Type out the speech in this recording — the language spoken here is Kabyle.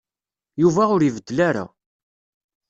Yuba ur ibeddel ara.